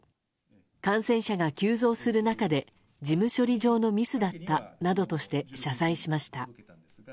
感染者が急増する中で事務処理上のミスだったなどとして謝罪しました。